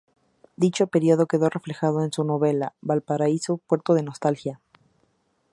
Dicho periodo quedó reflejado en su novela "Valparaíso, puerto de nostalgia".